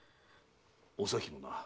お咲もな。